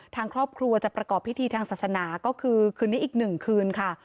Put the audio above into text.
ทางครอบครัวจะประกอบพิธีทางศาสนาก็คือคืนนี้อีก๑คืนค่ะ